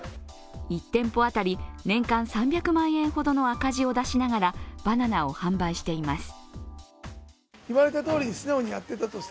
１店舗当たり年間３００万円ほどの赤字を出しながらバナナを販売しています。